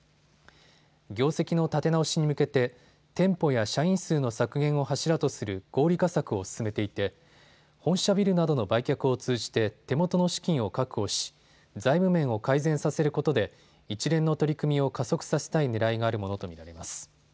業績の立て直しに向けて店舗や社員数の削減を柱とする合理化策を進めていて本社ビルなどの売却を通じて手元の資金を確保し財務面を改善させることで一連の取り組みを加速させたいねらいがあるものと見られます。